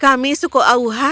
kami tidak pernah belajar